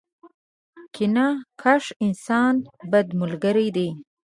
کینه کښ انسان ، بد ملګری دی.